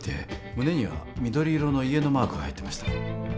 胸には緑色の家のマークが入ってました